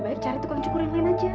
dasar tukang cukur bensek